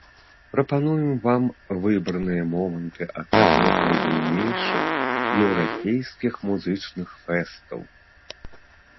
Прапануем вам выбраныя моманты аднаго з найбуйнейшых еўрапейскіх музычных фэстаў.